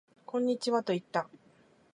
こんにちはと言った